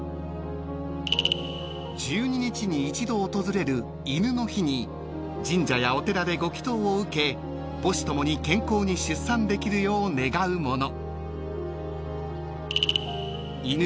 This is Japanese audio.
［１２日に一度訪れる戌の日に神社やお寺でご祈祷を受け母子共に健康に出産できるよう願うもの］